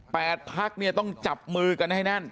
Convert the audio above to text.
๘พักเนี่ยต้องจับมือกันให้แน่น